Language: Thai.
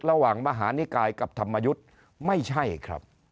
ระหว่างมหานิกายกับธรรมยุทธ์ไม่ใช่ครับ